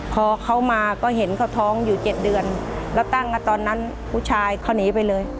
พอเขามาก็เห็นเขาท้องอยู่๗เดือนแล้วตั้งตอนนั้นผู้ชายเขาหนีไปเลย